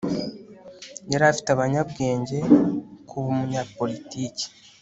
yari afite abanyabwenge kuba umunyapolitiki